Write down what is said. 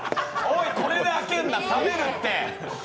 これであけるな、冷めるって。